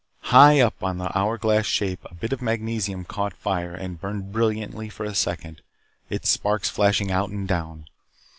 High up on the hour glass shape a bit of magnesium caught fire and burned brilliantly for a second, its sparks flashing out and down.